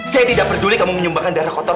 saya tidak peduli kamu menyumbangkan darah kotor